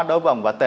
đối với ông võ t